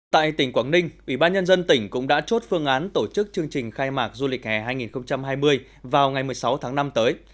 tại tỉnh quảng ninh ủy ban nhân dân tỉnh cũng đã chốt phương án tổ chức chương trình khai mạc du lịch hè hai nghìn hai mươi vào ngày một mươi sáu tháng năm tới